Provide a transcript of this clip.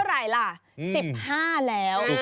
วันนี้วันที่เท่าไหร่ล่ะ๑๕แล้ว